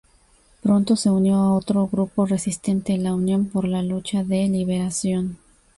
Pronto se unió a otro grupo resistente, la Unión por la Lucha de Liberación.